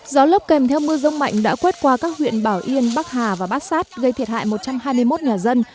gió lốc kèm theo mưa rông mạnh đã quét qua các huyện bảo yên bắc hà và bát sát gây thiệt hại một trăm hai mươi một nhà dân